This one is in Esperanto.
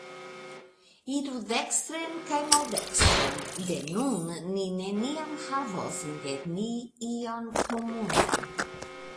Iru dekstren kaj maldekstren, de nun ni neniam havos inter ni ion komunan.